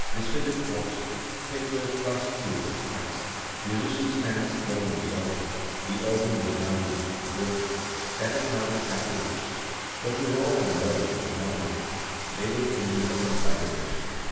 Disfigured corpses, pictures thrust through with pikes, musicians' stands thrown on the altar, the organ dismounted, broken, that is how the chapel looks. But to rob and murder is not enough: they will kindle a conflagration.